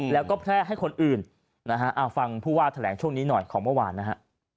แล้วก็แพร่ให้คนอื่นนะฮะเอาฟังผู้ว่าแถลงช่วงนี้หน่อยของเมื่อวานนะฮะ